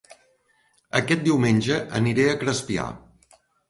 Aquest diumenge aniré a Crespià